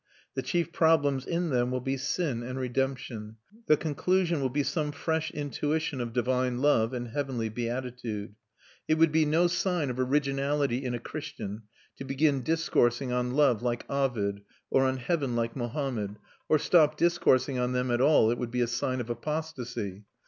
The chief problems in them will be sin and redemption; the conclusion will be some fresh intuition of divine love and heavenly beatitude. It would be no sign of originality in a Christian to begin discoursing on love like Ovid or on heaven like Mohammed, or stop discoursing on them at all; it would be a sign of apostasy.